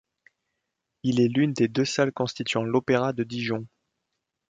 Il est l'une des deux salles constituant l'opéra de Dijon.